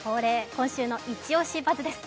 今週の「イチオシバズ！」です。